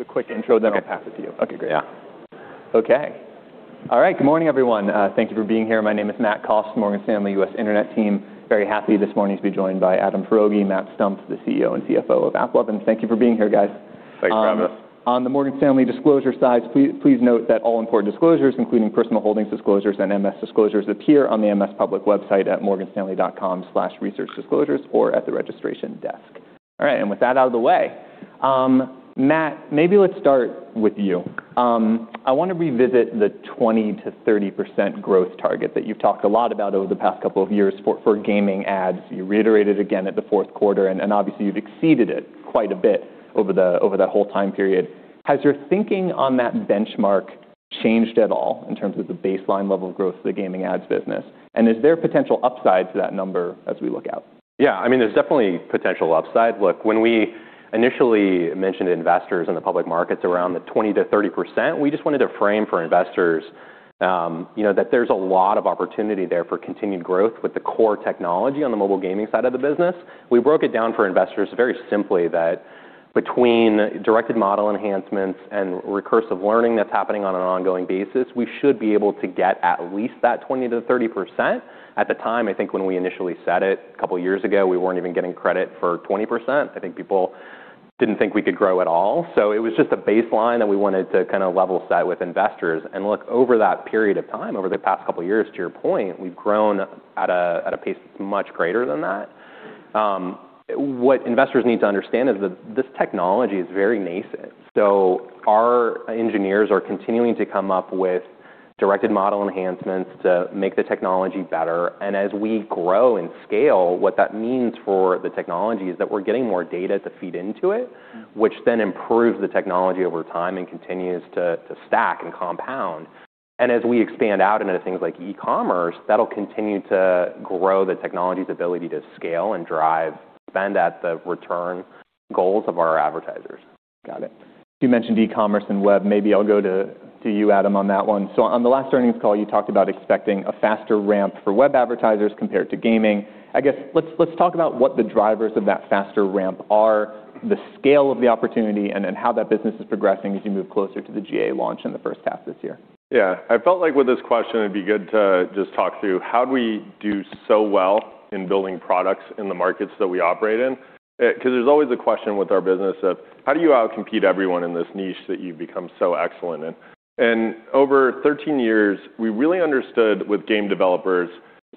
I'll do the quick intro, then I'll pass it to you. Okay, great. Yeah. Okay. All right. Good morning, everyone. Thank you for being here. My name is Matt Cost, Morgan Stanley U.S. Internet team. Very happy this morning to be joined by Adam Foroughi and Matt Stumpf, the CEO and CFO of AppLovin. Thank you for being here, guys. Thanks for having us. On the Morgan Stanley disclosure side, please note that all important disclosures, including personal holdings disclosures and MS disclosures, appear on the MS public website at morganstanley.com/researchdisclosures or at the registration desk. All right, with that out of the way, Matt, maybe let's start with you. I want to revisit the 20%-30% growth target that you've talked a lot about over the past couple of years for gaming ads. You reiterated again at the fourth quarter, and obviously you've exceeded it quite a bit over that whole time period. Has your thinking on that benchmark changed at all in terms of the baseline level of growth of the gaming ads business? Is there potential upside to that number as we look out? Yeah, I mean, there's definitely potential upside. When we initially mentioned to investors in the public markets around the 20%-30%, we just wanted to frame for investors, you know, that there's a lot of opportunity there for continued growth with the core technology on the mobile gaming side of the business. We broke it down for investors very simply that between directed model enhancements and recursive learning that's happening on an ongoing basis, we should be able to get at least that 20%-30%. At the time, I think when we initially said it a couple of years ago, we weren't even getting credit for 20%. I think people didn't think we could grow at all. It was just a baseline that we wanted to kind of level set with investors. Look, over that period of time, over the past couple of years, to your point, we've grown at a pace that's much greater than that. What investors need to understand is that this technology is very nascent. Our engineers are continuing to come up with directed model enhancements to make the technology better. As we grow and scale, what that means for the technology is that we're getting more data to feed into it, which then improves the technology over time and continues to stack and compound. As we expand out into things like e-commerce, that'll continue to grow the technology's ability to scale and drive spend at the return goals of our advertisers. Got it. You mentioned e-commerce and web. Maybe I'll go to you, Adam, on that one. On the last earnings call, you talked about expecting a faster ramp for web advertisers compared to gaming. I guess let's talk about what the drivers of that faster ramp are, the scale of the opportunity, and then how that business is progressing as you move closer to the GA launch in the first half this year. Yeah. I felt like with this question, it'd be good to just talk through how do we do so well in building products in the markets that we operate in. 'Cause there's always a question with our business of how do you out-compete everyone in this niche that you've become so excellent in? Over 13 years, we really understood with game developers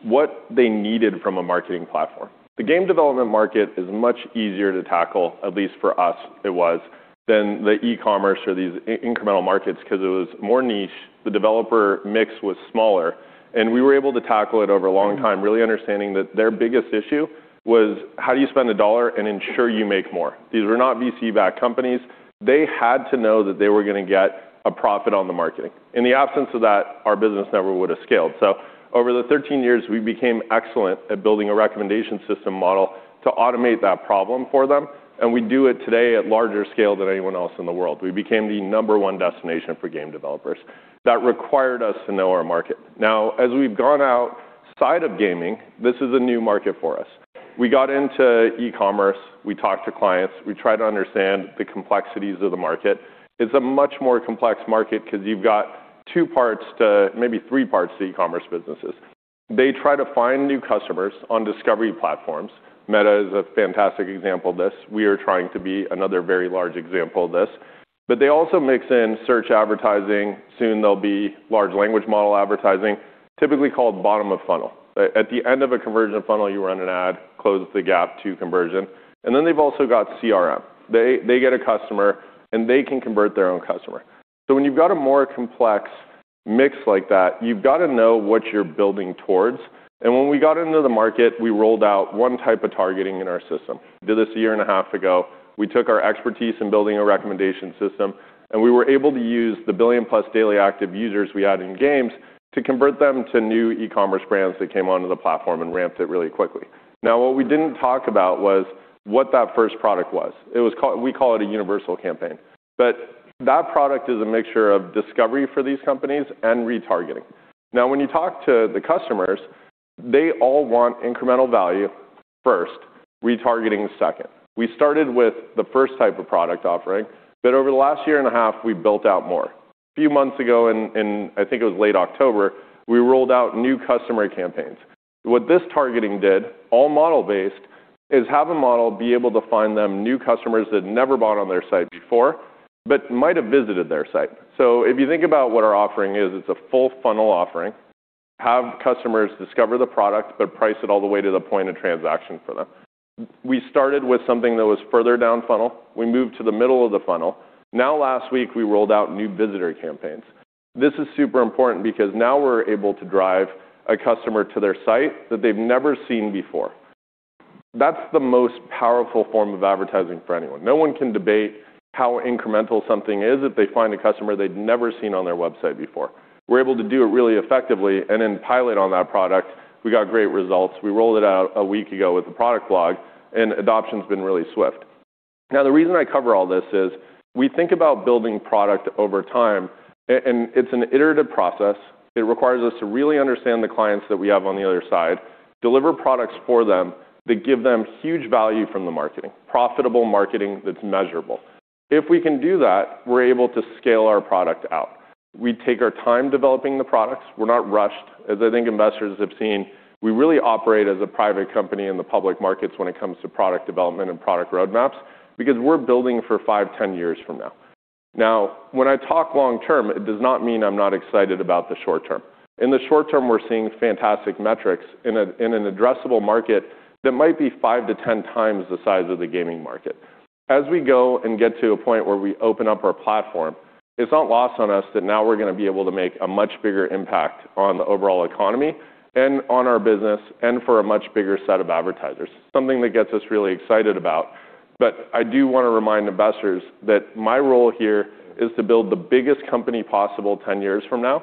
what they needed from a marketing platform. The game development market is much easier to tackle, at least for us it was, than the e-commerce or these in-incremental markets because it was more niche. The developer mix was smaller, and we were able to tackle it over a long time, really understanding that their biggest issue was how do you spend a dollar and ensure you make more? These were not VC-backed companies. They had to know that they were gonna get a profit on the marketing. In the absence of that, our business never would have scaled. Over the 13 years, we became excellent at building a recommendation system model to automate that problem for them, and we do it today at larger scale than anyone else in the world. We became the number one destination for game developers. That required us to know our market. As we've gone outside of gaming, this is a new market for us. We got into e-commerce. We talked to clients. We tried to understand the complexities of the market. It's a much more complex market because you've got two parts to... maybe three parts to e-commerce businesses. They try to find new customers on discovery platforms. Meta is a fantastic example of this. We are trying to be another very large example of this. They also mix in search advertising. Soon there'll be large language model advertising, typically called bottom of funnel. At the end of a conversion funnel, you run an ad, close the gap to conversion. Then they've also got CRM. They get a customer, and they can convert their own customer. When you've got a more complex mix like that, you've got to know what you're building towards. When we got into the market, we rolled out one type of targeting in our system. Did this a year and a half ago. We took our expertise in building a recommendation system, and we were able to use the 1 billion+ daily active users we had in games to convert them to new e-commerce brands that came onto the platform and ramped it really quickly. What we didn't talk about was what that first product was. We call it a universal campaign. That product is a mixture of discovery for these companies and retargeting. When you talk to the customers, they all want incremental value first, retargeting second. We started with the first type of product offering, but over the last year and a half, we built out more. A few months ago in late October, we rolled out new customer campaigns. What this targeting did, all model-based, is have a model be able to find them new customers that never bought on their site before but might have visited their site. If you think about what our offering is, it's a full funnel offering. Have customers discover the product, but price it all the way to the point of transaction for them. We started with something that was further down funnel. We moved to the middle of the funnel. Last week, we rolled out new visitor campaigns. This is super important because now we're able to drive a customer to their site that they've never seen before. That's the most powerful form of advertising for anyone. No one can debate how incremental something is if they find a customer they'd never seen on their website before. We're able to do it really effectively, and in pilot on that product, we got great results. We rolled it out a week ago with the product blog, and adoption's been really swift. The reason I cover all this is we think about building product over time, and it's an iterative process. It requires us to really understand the clients that we have on the other side, deliver products for them that give them huge value from the marketing, profitable marketing that's measurable. If we can do that, we're able to scale our product out. We take our time developing the products. We're not rushed. As I think investors have seen, we really operate as a private company in the public markets when it comes to product development and product roadmaps because we're building for five, 10 years from now. When I talk long term, it does not mean I'm not excited about the short term. In an addressable market that might be 5x to 10x the size of the gaming market. As we go and get to a point where we open up our platform, it's not lost on us that now we're gonna be able to make a much bigger impact on the overall economy and on our business and for a much bigger set of advertisers, something that gets us really excited about. I do wanna remind investors that my role here is to build the biggest company possible 10 years from now,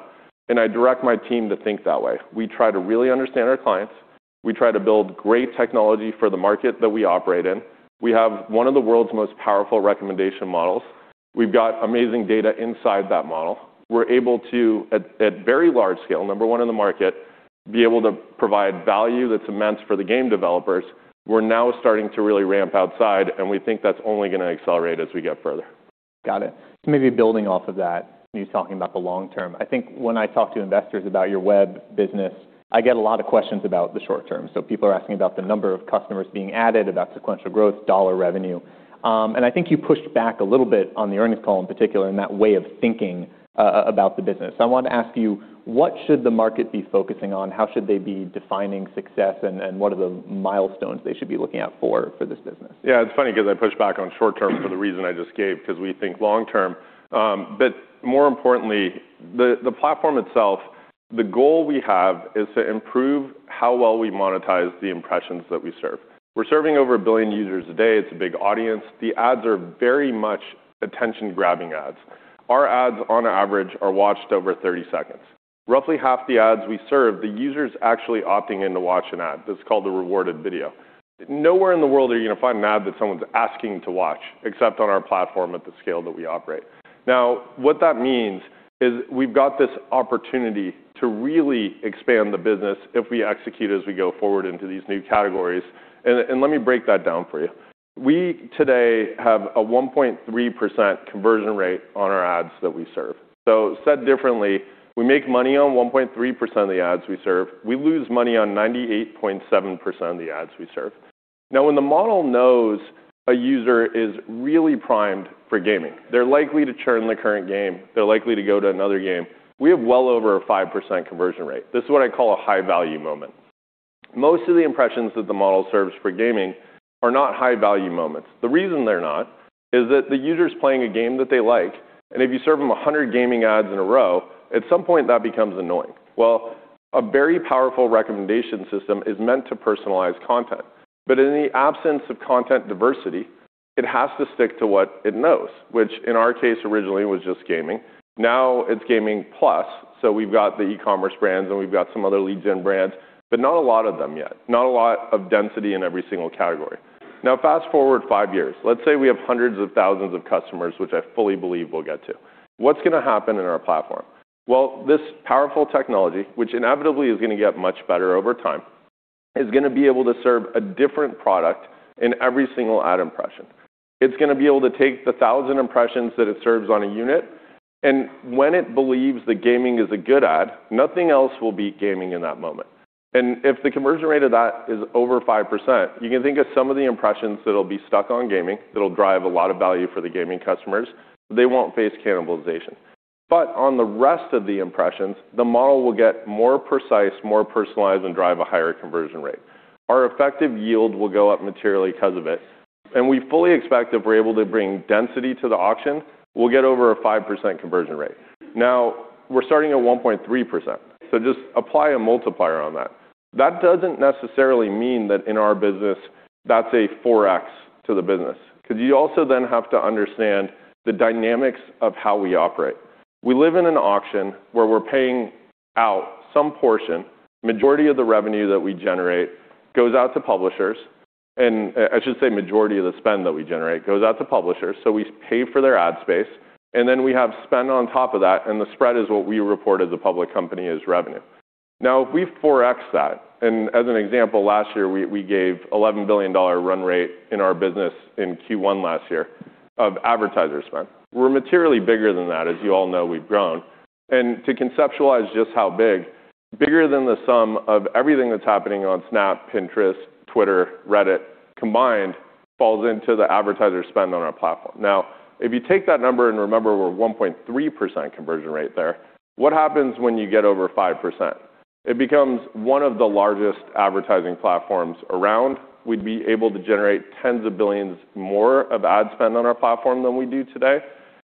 and I direct my team to think that way. We try to really understand our clients. We try to build great technology for the market that we operate in. We have one of the world's most powerful recommendation models. We've got amazing data inside that model. We're able to, at very large scale, number one in the market, be able to provide value that's immense for the game developers. We're now starting to really ramp outside, and we think that's only gonna accelerate as we get further. Got it. Maybe building off of that, you talking about the long term. I think when I talk to investors about your web business, I get a lot of questions about the short term. People are asking about the number of customers being added, about sequential growth, dollar revenue. I think you pushed back a little bit on the earnings call in particular in that way of thinking about the business. I want to ask you, what should the market be focusing on? How should they be defining success, and what are the milestones they should be looking out for for this business? Yeah, it's funny because I pushed back on short term for the reason I just gave, because we think long term. More importantly, the platform itself, the goal we have is to improve how well we monetize the impressions that we serve. We're serving over 1 billion users a day. It's a big audience. The ads are very much attention-grabbing ads. Our ads, on average, are watched over 30 seconds. Roughly half the ads we serve, the user's actually opting in to watch an ad. That's called a rewarded video. Nowhere in the world are you gonna find an ad that someone's asking to watch, except on our platform at the scale that we operate. What that means is we've got this opportunity to really expand the business if we execute as we go forward into these new categories. Let me break that down for you. We today have a 1.3% conversion rate on our ads that we serve. Said differently, we make money on 1.3% of the ads we serve. We lose money on 98.7% of the ads we serve. When the model knows a user is really primed for gaming, they're likely to churn the current game. They're likely to go to another game. We have well over a 5% conversion rate. This is what I call a high-value moment. Most of the impressions that the model serves for gaming are not high-value moments. The reason they're not is that the user's playing a game that they like, and if you serve them 100 gaming ads in a row, at some point that becomes annoying. A very powerful recommendation system is meant to personalize content. In the absence of content diversity, it has to stick to what it knows, which in our case originally was just gaming. It's gaming plus. We've got the e-commerce brands, and we've got some other lead gen brands, but not a lot of them yet. Not a lot of density in every single category. Fast-forward five years. Let's say we have hundreds of thousands of customers, which I fully believe we'll get to. What's gonna happen in our platform? This powerful technology, which inevitably is gonna get much better over time, is gonna be able to serve a different product in every single ad impression. It's gonna be able to take the 1,000 impressions that it serves on a unit, and when it believes that gaming is a good ad, nothing else will beat gaming in that moment. If the conversion rate of that is over 5%, you can think of some of the impressions that'll be stuck on gaming that'll drive a lot of value for the gaming customers. They won't face cannibalization. On the rest of the impressions, the model will get more precise, more personalized, and drive a higher conversion rate. Our effective yield will go up materially because of it, and we fully expect if we're able to bring density to the auction, we'll get over a 5% conversion rate. We're starting at 1.3%, so just apply a multiplier on that. That doesn't necessarily mean that in our business that's a 4x to the business because you also then have to understand the dynamics of how we operate. We live in an auction where we're paying out some portion. Majority of the revenue that we generate goes out to publishers. I should say majority of the spend that we generate goes out to publishers. We pay for their ad space, and then we have spend on top of that, and the spread is what we report as a public company as revenue. If we 4x that, as an example, last year we gave a $11 billion run rate in our business in Q1 last year of advertiser spend. We're materially bigger than that. As you all know, we've grown. To conceptualize just how big, bigger than the sum of everything that's happening on Snap, Pinterest, Twitter, Reddit combined falls into the advertiser spend on our platform. If you take that number and remember we're 1.3% conversion rate there, what happens when you get over 5%? It becomes one of the largest advertising platforms around. We'd be able to generate tens of billions more of ad spend on our platform than we do today.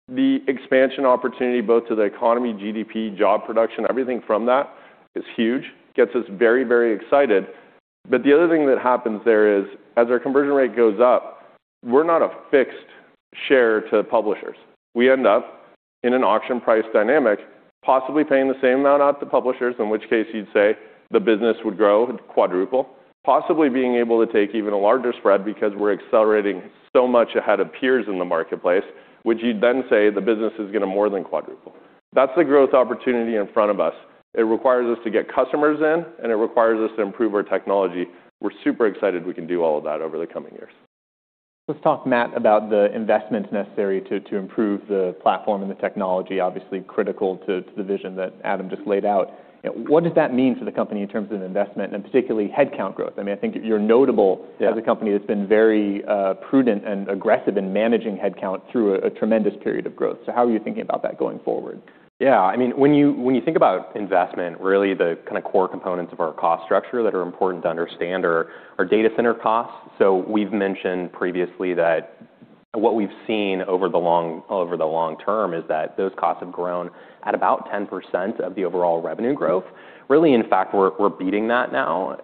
The expansion opportunity both to the economy, GDP, job production, everything from that is huge. Gets us very, very excited. The other thing that happens there is as our conversion rate goes up, we're not a fixed share to publishers. We end up in an auction price dynamic, possibly paying the same amount out to publishers, in which case you'd say the business would grow quadruple, possibly being able to take even a larger spread because we're accelerating so much ahead of peers in the marketplace, which you'd then say the business is gonna more than quadruple. That's the growth opportunity in front of us. It requires us to get customers in, it requires us to improve our technology. We're super excited we can do all of that over the coming years. Let's talk, Matt, about the investments necessary to improve the platform and the technology obviously critical to the vision that Adam Foroughi just laid out. What does that mean for the company in terms of investment and particularly headcount growth? I mean, I think you're notable. Yeah. As a company that's been very, prudent and aggressive in managing headcount through a tremendous period of growth. How are you thinking about that going forward? Yeah. I mean, when you think about investment, really the kind of core components of our cost structure that are important to understand are data center costs. We've mentioned previously that what we've seen over the long term is that those costs have grown at about 10% of the overall revenue growth. In fact, we're beating that now,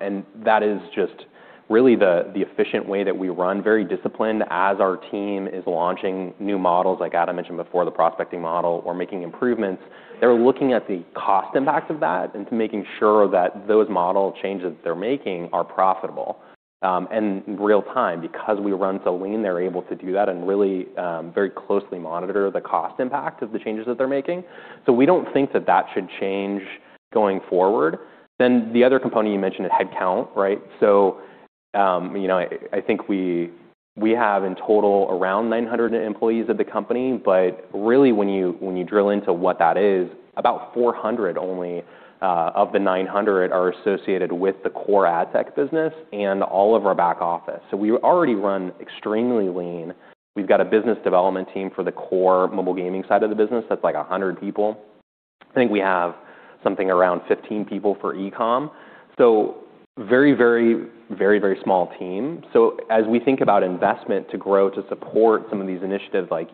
and that is just really the efficient way that we run, very disciplined as our team is launching new models, like Adam mentioned before, the prospecting model or making improvements. They're looking at the cost impact of that and to making sure that those model changes they're making are profitable. In real-time, because we run so lean, they're able to do that and really very closely monitor the cost impact of the changes that they're making. We don't think that that should change going forward. The other component you mentioned is headcount, right? You know, I think we have in total around 900 employees at the company, but really when you drill into what that is, about 400 only of the 900 are associated with the core ad tech business and all of our back office. We already run extremely lean. We've got a business development team for the core mobile gaming side of the business. That's like 100 people. I think we have something around 15 people for e-com. Very, very, very, very small team. As we think about investment to grow to support some of these initiatives like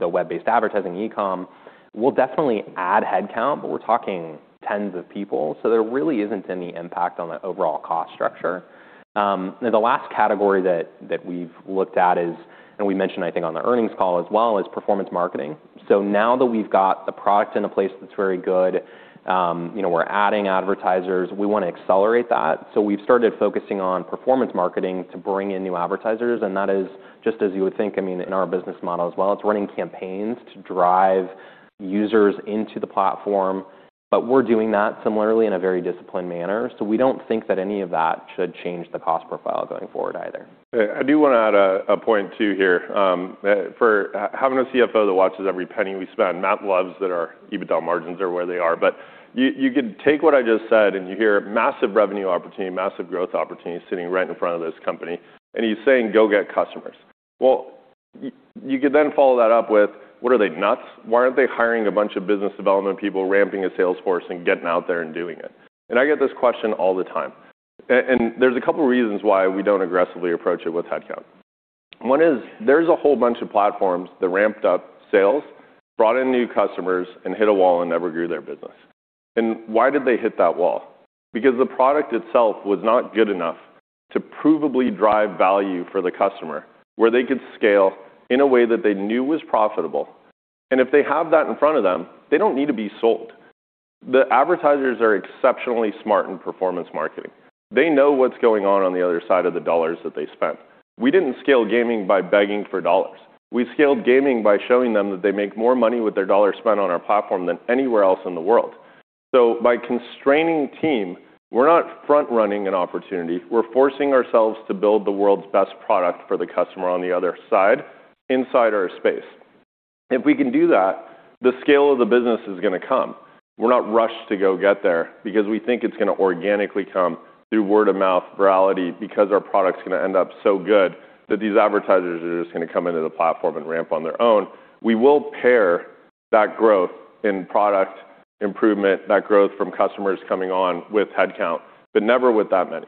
the web-based advertising e-com, we'll definitely add headcount, but we're talking tens of people. There really isn't any impact on the overall cost structure. Then the last category that we've looked at is, and we mentioned, I think, on the earnings call as well, is performance marketing. Now that we've got the product in a place that's very good, you know, we're adding advertisers, we wanna accelerate that. We've started focusing on performance marketing to bring in new advertisers, and that is just as you would think. I mean, in our business model as well, it's running campaigns to drive users into the platform. We're doing that similarly in a very disciplined manner. We don't think that any of that should change the cost profile going forward either. I do wanna add a point too here. For having a CFO that watches every penny we spend, Matt loves that our EBITDA margins are where they are. You could take what I just said, and you hear massive revenue opportunity, massive growth opportunity sitting right in front of this company, and he's saying, "Go get customers." You could then follow that up with, "What are they, nuts? Why aren't they hiring a bunch of business development people, ramping a sales force, and getting out there and doing it?" I get this question all the time. There's a couple reasons why we don't aggressively approach it with headcount. One is there's a whole bunch of platforms that ramped up sales, brought in new customers, and hit a wall and never grew their business. Why did they hit that wall? Because the product itself was not good enough to provably drive value for the customer, where they could scale in a way that they knew was profitable. If they have that in front of them, they don't need to be sold. The advertisers are exceptionally smart in performance marketing. They know what's going on on the other side of the dollars that they spent. We didn't scale gaming by begging for dollars. We scaled gaming by showing them that they make more money with their dollar spent on our platform than anywhere else in the world. By constraining team, we're not front-running an opportunity. We're forcing ourselves to build the world's best product for the customer on the other side inside our space. If we can do that, the scale of the business is gonna come. We're not rushed to go get there because we think it's gonna organically come through word of mouth virality because our product's gonna end up so good that these advertisers are just gonna come into the platform and ramp on their own. We will pair that growth in product improvement, that growth from customers coming on with headcount, but never with that many.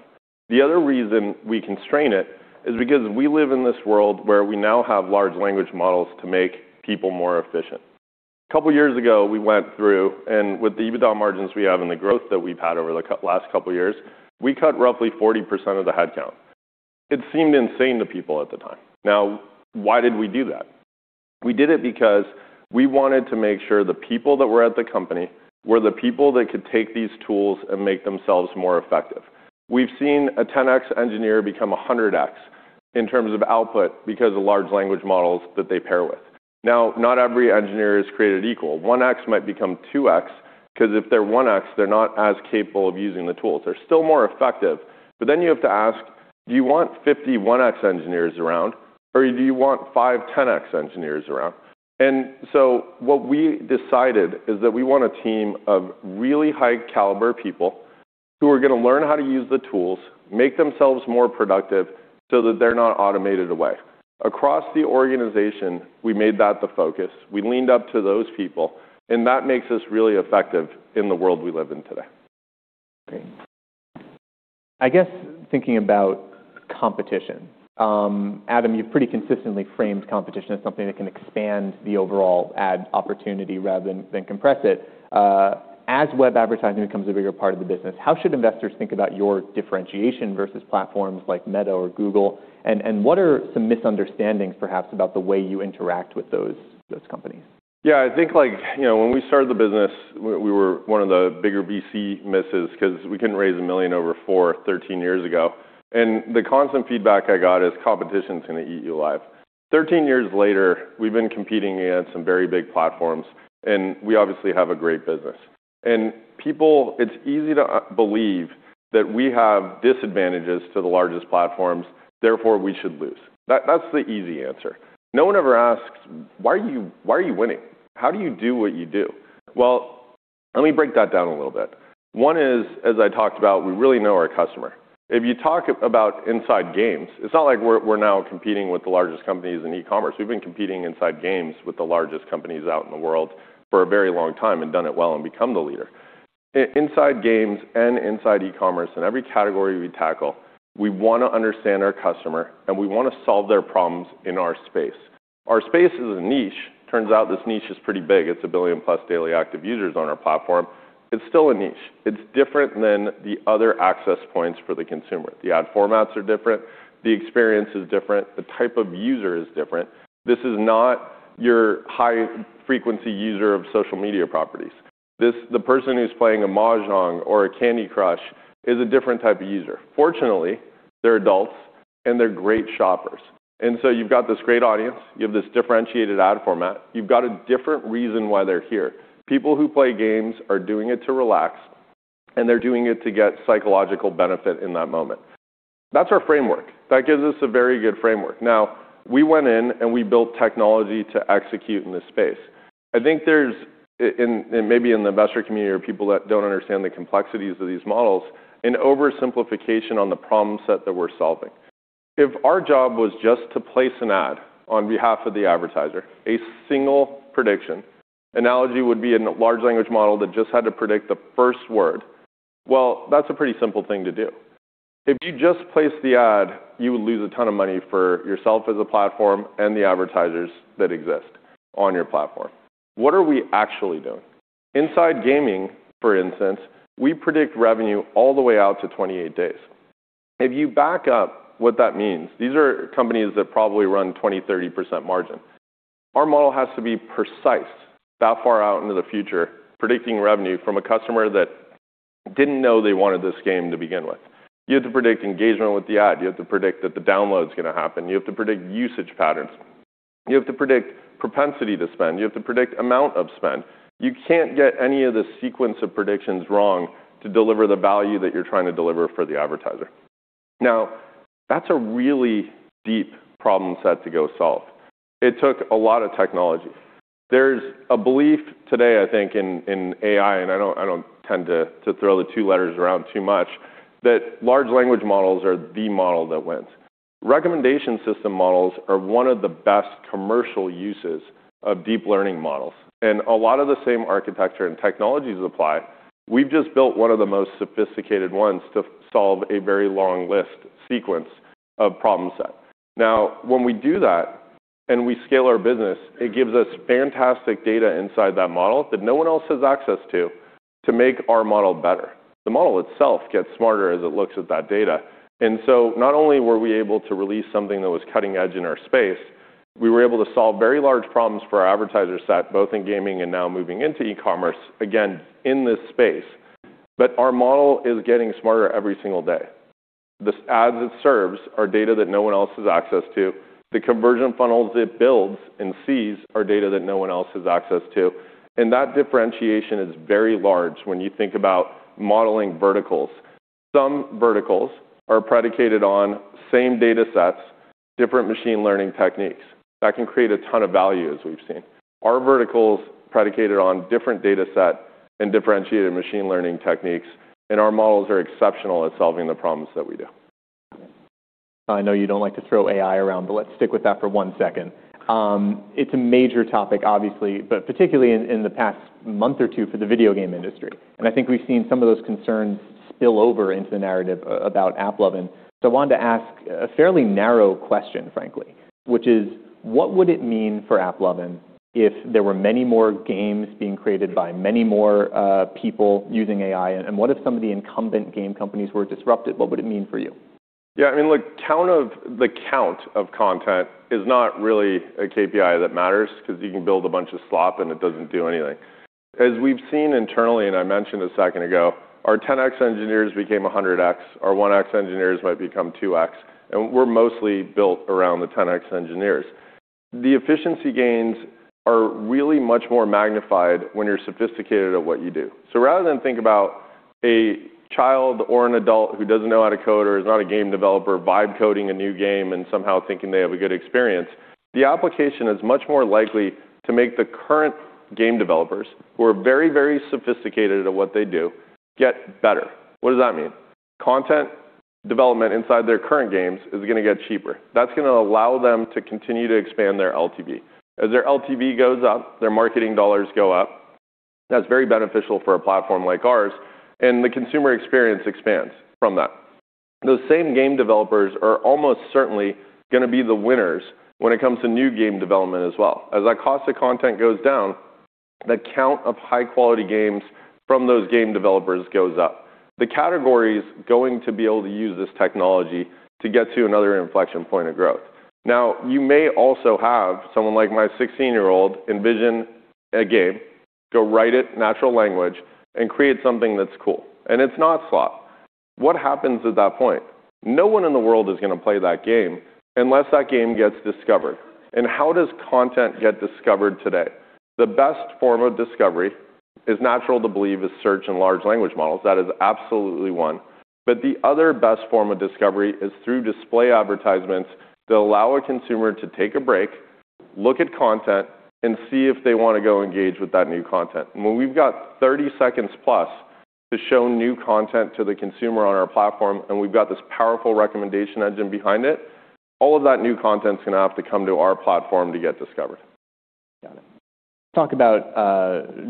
The other reason we constrain it is because we live in this world where we now have large language models to make people more efficient. A couple years ago, we went through, and with the EBITDA margins we have and the growth that we've had over the last couple years, we cut roughly 40% of the headcount. It seemed insane to people at the time. Why did we do that? We did it because we wanted to make sure the people that were at the company were the people that could take these tools and make themselves more effective. We've seen a 10x engineer become a 100x in terms of output because of large language models that they pair with. Not every engineer is created equal. 1x might become 2x 'cause if they're 1x, they're not as capable of using the tools. They're still more effective. You have to ask, do you want 51x engineers around, or do you want five 10x engineers around? What we decided is that we want a team of really high-caliber people who are gonna learn how to use the tools, make themselves more productive so that they're not automated away. Across the organization, we made that the focus. We leaned up to those people, and that makes us really effective in the world we live in today. Great. I guess thinking about competition, Adam, you've pretty consistently framed competition as something that can expand the overall ad opportunity rather than compress it. As web advertising becomes a bigger part of the business, how should investors think about your differentiation versus platforms like Meta or Google? What are some misunderstandings perhaps about the way you interact with those companies? Yeah. I think, like, you know, when we started the business, we were one of the bigger VC misses 'cause we couldn't raise $1 million over four 13 years ago. The constant feedback I got is competition's going to eat you alive. 13 years later, we've been competing against some very big platforms, we obviously have a great business. It's easy to believe that we have disadvantages to the largest platforms, therefore we should lose. That's the easy answer. No one ever asks, "Why are you winning? How do you do what you do?" Well, let me break that down a little bit. One is, as I talked about, we really know our customer. If you talk about inside games, it's not like we're now competing with the largest companies in e-commerce. We've been competing inside games with the largest companies out in the world for a very long time and done it well and become the leader. Inside games and inside e-commerce and every category we tackle, we wanna understand our customer, and we wanna solve their problems in our space. Our space is a niche. Turns out this niche is pretty big. It's a billion-plus daily active users on our platform. It's still a niche. It's different than the other access points for the consumer. The ad formats are different. The experience is different. The type of user is different. This is not your high-frequency user of social media properties. The person who's playing a mahjong or a Candy Crush is a different type of user. Fortunately, they're adults, and they're great shoppers. You've got this great audience. You have this differentiated ad format. You've got a different reason why they're here. People who play games are doing it to relax, and they're doing it to get psychological benefit in that moment. That's our framework. That gives us a very good framework. We went in, and we built technology to execute in this space. I think there's, in maybe in the investor community or people that don't understand the complexities of these models, an oversimplification on the problem set that we're solving. If our job was just to place an ad on behalf of the advertiser, a single prediction, analogy would be a large language model that just had to predict the first word. Well, that's a pretty simple thing to do. If you just place the ad, you would lose a ton of money for yourself as a platform and the advertisers that exist on your platform. What are we actually doing? Inside gaming, for instance, we predict revenue all the way out to 28 days. If you back up what that means, these are companies that probably run 20%, 30% margin. Our model has to be precise that far out into the future, predicting revenue from a customer that didn't know they wanted this game to begin with. You have to predict engagement with the ad. You have to predict that the download's gonna happen. You have to predict usage patterns. You have to predict propensity to spend. You have to predict amount of spend. You can't get any of the sequence of predictions wrong to deliver the value that you're trying to deliver for the advertiser. That's a really deep problem set to go solve. It took a lot of technology. There's a belief today, I think, in AI, I don't tend to throw the two letters around too much, that large language models are the model that wins. Recommendation system models are one of the best commercial uses of deep learning models, a lot of the same architecture and technologies apply. We've just built one of the most sophisticated ones to solve a very long list sequence of problem set. When we do that and we scale our business, it gives us fantastic data inside that model that no one else has access to to make our model better. The model itself gets smarter as it looks at that data. Not only were we able to release something that was cutting edge in our space, we were able to solve very large problems for our advertiser set, both in gaming and now moving into e-commerce, again, in this space. Our model is getting smarter every single day. The ads it serves are data that no one else has access to. The conversion funnels it builds and sees are data that no one else has access to. That differentiation is very large when you think about modeling verticals. Some verticals are predicated on same data sets, different machine learning techniques. That can create a ton of value, as we've seen. Our vertical's predicated on different data set and differentiated machine learning techniques, and our models are exceptional at solving the problems that we do. I know you don't like to throw AI around. Let's stick with that for 1 second. It's a major topic obviously, but particularly in the past one or two months for the video game industry. I think we've seen some of those concerns spill over into the narrative about AppLovin. I wanted to ask a fairly narrow question, frankly, which is: What would it mean for AppLovin if there were many more games being created by many more people using AI? What if some of the incumbent game companies were disrupted? What would it mean for you? Yeah, I mean, look, the count of content is not really a KPI that matters because you can build a bunch of slop and it doesn't do anything. As we've seen internally, and I mentioned a second ago, our 10x engineers became 100x. Our 1x engineers might become 2x, and we're mostly built around the 10x engineers. The efficiency gains are really much more magnified when you're sophisticated at what you do. Rather than think about a child or an adult who doesn't know how to code or is not a game developer vibe coding a new game and somehow thinking they have a good experience, the application is much more likely to make the current game developers, who are very, very sophisticated at what they do, get better. What does that mean? Content development inside their current games is gonna get cheaper. That's gonna allow them to continue to expand their LTV. As their LTV goes up, their marketing dollars go up. That's very beneficial for a platform like ours, and the consumer experience expands from that. Those same game developers are almost certainly gonna be the winners when it comes to new game development as well. As that cost of content goes down, the count of high-quality games from those game developers goes up. The category's going to be able to use this technology to get to another inflection point of growth. You may also have someone like my 16-year-old envision a game, go write it in natural language, and create something that's cool, and it's not slop. What happens at that point? No one in the world is gonna play that game unless that game gets discovered. How does content get discovered today? The best form of discovery is natural to believe is search and large language models. That is absolutely one. The other best form of discovery is through display advertisements that allow a consumer to take a break, look at content, and see if they wanna go engage with that new content. When we've got 30 seconds plus to show new content to the consumer on our platform, and we've got this powerful recommendation engine behind it, all of that new content's gonna have to come to our platform to get discovered. Got it. Talk about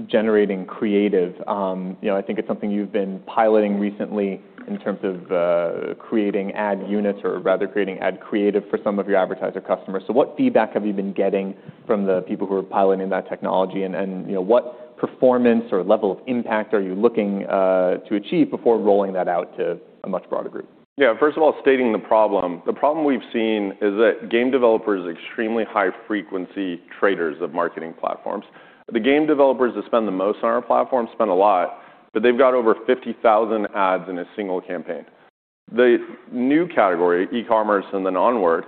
generating creative. You know, I think it's something you've been piloting recently in terms of creating ad units or rather creating ad creative for some of your advertiser customers. What feedback have you been getting from the people who are piloting that technology? You know, what performance or level of impact are you looking to achieve before rolling that out to a much broader group? First of all, stating the problem. The problem we've seen is that game developers extremely high frequency traders of marketing platforms. The game developers that spend the most on our platform spend a lot, but they've got over 50,000 ads in a single campaign. The new category, e-commerce and the onward,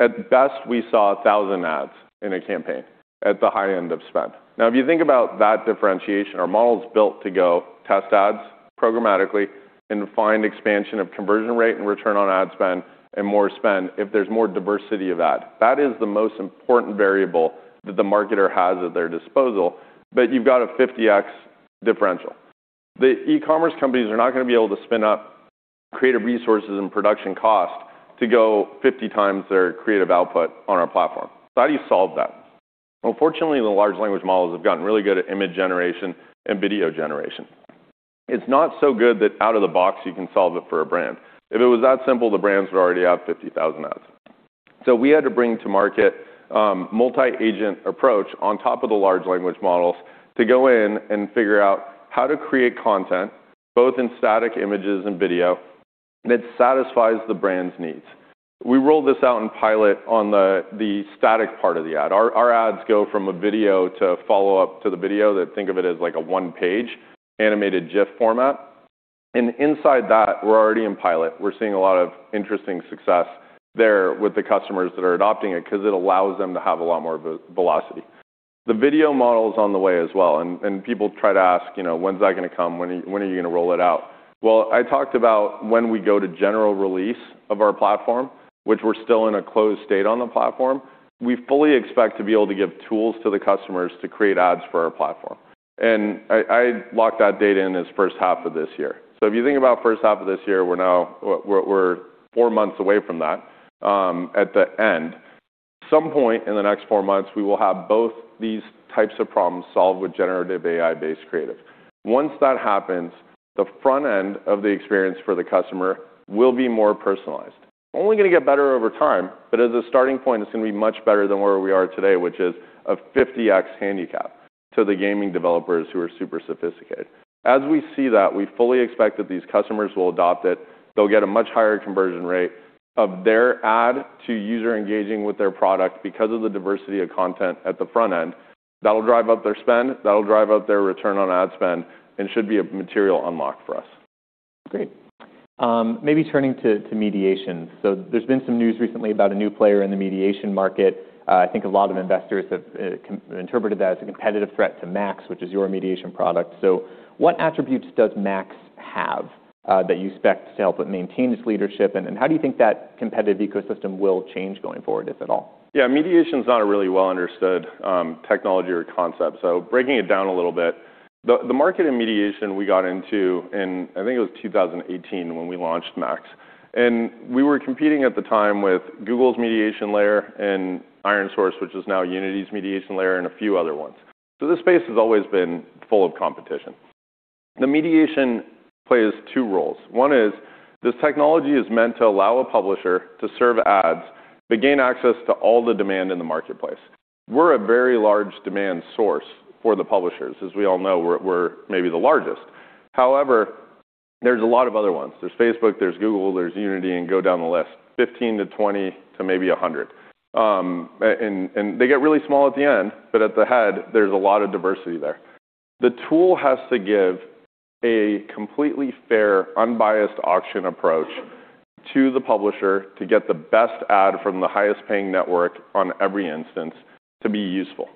at best, we saw 1,000 ads in a campaign at the high end of spend. If you think about that differentiation, our model's built to go test ads programmatically and find expansion of conversion rate and return on ad spend and more spend if there's more diversity of ad. That is the most important variable that the marketer has at their disposal. You've got a 50x differential. The e-commerce companies are not gonna be able to spin up creative resources and production cost to go 50x their creative output on our platform. How do you solve that? Well, fortunately, the large language models have gotten really good at image generation and video generation. It's not so good that out of the box you can solve it for a brand. If it was that simple, the brands would already have 50,000 ads. We had to bring to market multi-agent approach on top of the large language models to go in and figure out how to create content both in static images and video, and it satisfies the brand's needs. We rolled this out in pilot on the static part of the ad. Our ads go from a video to follow up to the video that think of it as like a one-page animated GIF format. Inside that, we're already in pilot. We're seeing a lot of interesting success there with the customers that are adopting it 'cause it allows them to have a lot more velocity. The video model is on the way as well, and people try to ask, you know, "When's that gonna come? When are you gonna roll it out?" Well, I talked about when we go to general release of our platform, which we're still in a closed state on the platform. We fully expect to be able to give tools to the customers to create ads for our platform. I locked that data in as first half of this year. If you think about first half of this year, we're now... We're four months away from that at the end. Some point in the next four months, we will have both these types of problems solved with generative AI-based creative. Once that happens, the front end of the experience for the customer will be more personalized. Only gonna get better over time, but as a starting point, it's gonna be much better than where we are today, which is a 50x handicap to the gaming developers who are super sophisticated. As we see that, we fully expect that these customers will adopt it. They'll get a much higher conversion rate of their ad to user engaging with their product because of the diversity of content at the front end. That'll drive up their spend, that'll drive up their return on ad spend, and should be a material unlock for us. Great. Maybe turning to mediation. There's been some news recently about a new player in the mediation market. I think a lot of investors have interpreted that as a competitive threat to MAX, which is your mediation product. What attributes does MAX have that you expect to help it maintain its leadership? How do you think that competitive ecosystem will change going forward, if at all? Yeah, mediation's not a really well understood technology or concept, so breaking it down a little bit. The market and mediation we got into in, I think it was 2018 when we launched MAX. We were competing at the time with Google's mediation layer and ironSource, which is now Unity's mediation layer, and a few other ones. This space has always been full of competition. The mediation plays two roles. One is this technology is meant to allow a publisher to serve ads, but gain access to all the demand in the marketplace. We're a very large demand source for the publishers. As we all know, we're maybe the largest. However, there's a lot of other ones. There's Facebook, there's Google, there's Unity, and go down the list. 15 to 20 to maybe 100. They get really small at the end, but at the head there's a lot of diversity there. The tool has to give a completely fair, unbiased auction approach to the publisher to get the best ad from the highest paying network on every instance to be useful.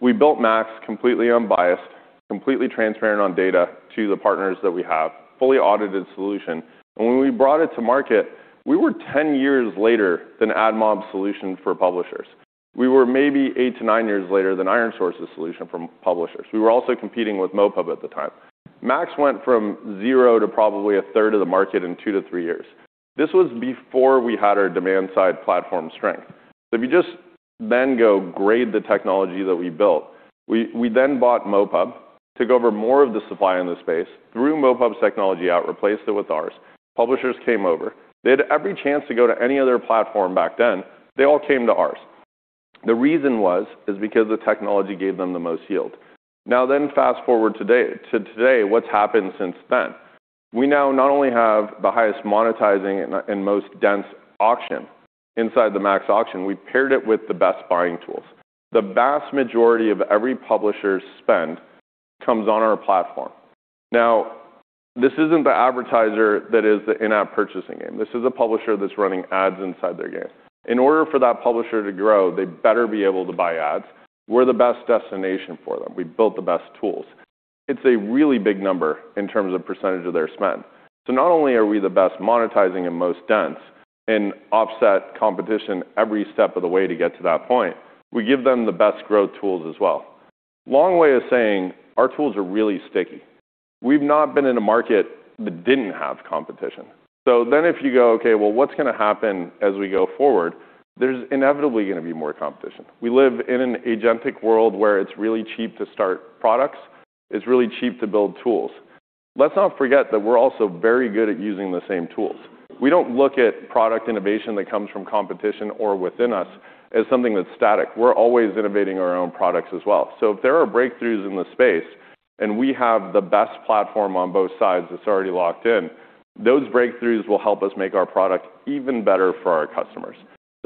We built MAX completely unbiased, completely transparent on data to the partners that we have, fully audited solution. When we brought it to market, we were 10 years later than AdMob's solution for publishers. We were maybe eight to nine years later than ironSource's solution from publishers. We were also competing with MoPub at the time. MAX went from zero to probably one-third of the market in two to three years. This was before we had our demand-side platform strength. If you just go grade the technology that we built, we bought MoPub, took over more of the supply in the space, threw MoPub's technology out, replaced it with ours. Publishers came over. They had every chance to go to any other platform back then. They all came to ours. The reason was, is because the technology gave them the most yield. Fast-forward today. What's happened since then? We now not only have the highest monetizing and most dense auction. Inside the MAX auction, we paired it with the best buying tools. The vast majority of every publisher's spend comes on our platform. This isn't the advertiser that is the in-app purchasing game. This is a publisher that's running ads inside their games. In order for that publisher to grow, they better be able to buy ads. We're the best destination for them. We built the best tools. It's a really big number in terms of % of their spend. Not only are we the best monetizing and most dense and offset competition every step of the way to get to that point, we give them the best growth tools as well. Long way of saying our tools are really sticky. We've not been in a market that didn't have competition. If you go, "Okay, well, what's gonna happen as we go forward?" There's inevitably gonna be more competition. We live in an agentic world where it's really cheap to start products, it's really cheap to build tools. Let's not forget that we're also very good at using the same tools. We don't look at product innovation that comes from competition or within us as something that's static. We're always innovating our own products as well. If there are breakthroughs in the space and we have the best platform on both sides that's already locked in, those breakthroughs will help us make our product even better for our customers.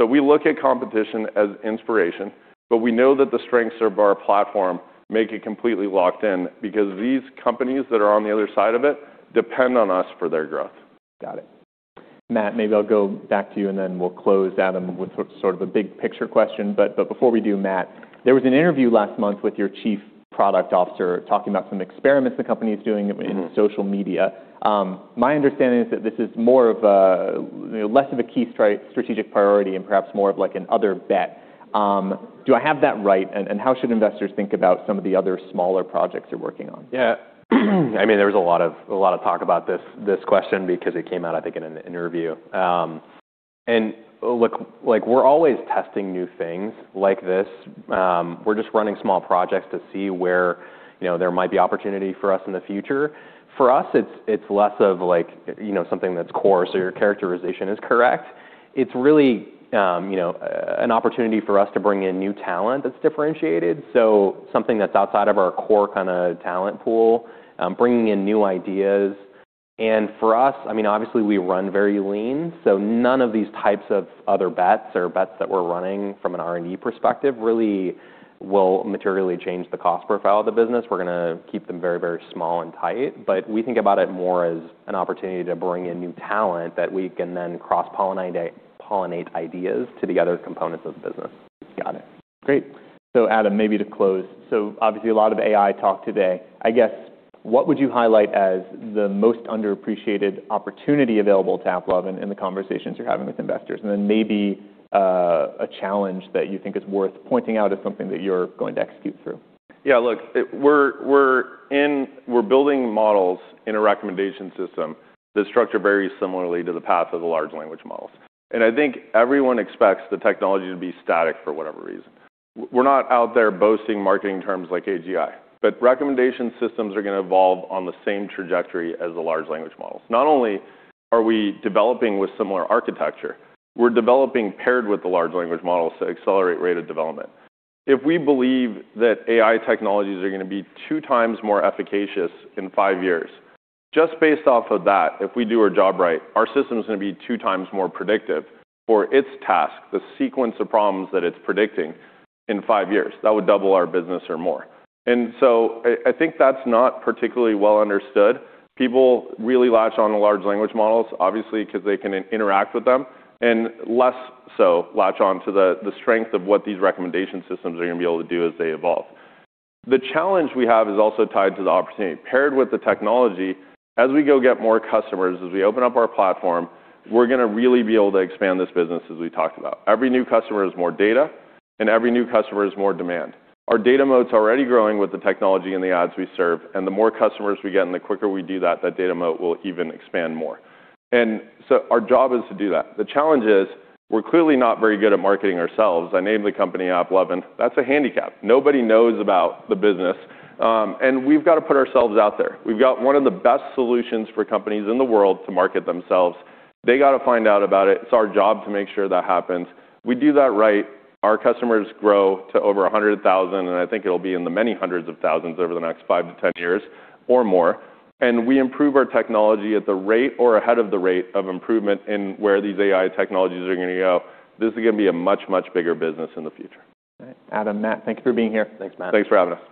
We look at competition as inspiration, but we know that the strengths of our platform make it completely locked in because these companies that are on the other side of it depend on us for their growth. Got it. Matt, maybe I'll go back to you, and then we'll close, Adam, with sort of a big picture question. Before we do, Matt, there was an interview last month with your chief product officer talking about some experiments the company is doing- Mm-hmm. -in social media. My understanding is that this is more of a, you know, less of a key strategic priority and perhaps more of like an other bet. Do I have that right? How should investors think about some of the other smaller projects you're working on? Yeah. I mean, there was a lot of talk about this question, because it came out, I think, in an interview. Look, like, we're always testing new things like this. We're just running small projects to see where, you know, there might be opportunity for us in the future. For us, it's less of like, you know, something that's core, so your characterization is correct. It's really, you know, an opportunity for us to bring in new talent that's differentiated, so something that's outside of our core kinda talent pool, bringing in new ideas. For us, I mean, obviously we run very lean, so none of these types of other bets or bets that we're running from an R&D perspective really will materially change the cost profile of the business. We're gonna keep them very, very small and tight. We think about it more as an opportunity to bring in new talent that we can then cross-pollinate ideas to the other components of the business. Got it. Great. Adam, maybe to close. Obviously a lot of AI talk today. I guess what would you highlight as the most underappreciated opportunity available to AppLovin in the conversations you're having with investors? Then maybe, a challenge that you think is worth pointing out as something that you're going to execute through. Yeah. Look, we're building models in a recommendation system that structure very similarly to the path of the large language models. I think everyone expects the technology to be static for whatever reason. We're not out there boasting marketing terms like AGI, recommendation systems are gonna evolve on the same trajectory as the large language models. Not only are we developing with similar architecture, we're developing paired with the large language models to accelerate rate of development. If we believe that AI technologies are gonna be 2x more efficacious in five years, just based off of that, if we do our job right, our system's gonna be 2x more predictive for its task, the sequence of problems that it's predicting in five years. That would double our business or more. I think that's not particularly well understood. People really latch on to large language models, obviously, 'cause they can interact with them, and less so latch on to the strength of what these recommendation systems are gonna be able to do as they evolve. The challenge we have is also tied to the opportunity. Paired with the technology, as we go get more customers, as we open up our platform, we're gonna really be able to expand this business as we talked about. Every new customer is more data, every new customer is more demand. Our data moat's already growing with the technology and the ads we serve, the more customers we get and the quicker we do that data moat will even expand more. Our job is to do that. The challenge is we're clearly not very good at marketing ourselves. I named the company AppLovin. That's a handicap. Nobody knows about the business. We've got to put ourselves out there. We've got one of the best solutions for companies in the world to market themselves. They gotta find out about it. It's our job to make sure that happens. We do that right, our customers grow to over 100,000, I think it'll be in the many hundreds of thousands over the next five to 10 years or more. We improve our technology at the rate or ahead of the rate of improvement in where these AI technologies are gonna go. This is gonna be a much, much bigger business in the future. All right. Adam, Matt, thank you for being here. Thanks, Matt. Thanks for having us.